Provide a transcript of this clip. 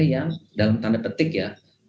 yang dalam tanda petik ya